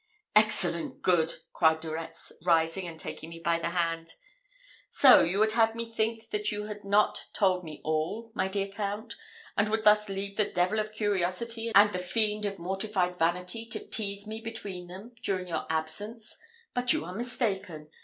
"Excellent good!" cried De Retz, rising and taking me by the hand. "So, you would have me think that you had not told me all, my dear count; and would thus leave the devil of curiosity and the fiend of mortified vanity to tease me between them during your absence; but you are mistaken.